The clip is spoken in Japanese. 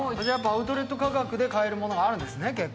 アウトレット価格で買えるものがあるんですね。